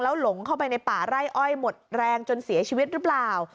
หลงเข้าไปในป่าไร่อ้อยหมดแรงจนเสียชีวิตหรือเปล่า